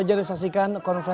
jadi aslah kita ped can sole